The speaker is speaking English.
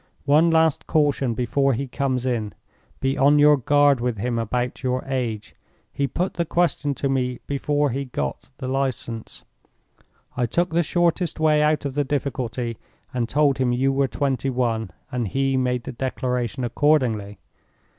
"One last caution before he comes in. Be on your guard with him about your age. He put the question to me before he got the License. I took the shortest way out of the difficulty, and told him you were twenty one, and he made the declaration accordingly.